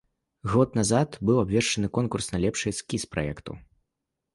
Год назад быў абвешчаны конкурс на лепшы эскіз праекту.